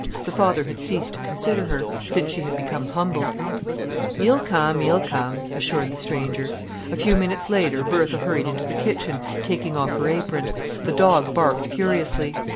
The father had ceased to consider her, since she had become humbled. "'E'll come—'e'll come!" assured the stranger. A few minutes later Bertha hurried into the kitchen, taking off her apron. The dog barked furiously.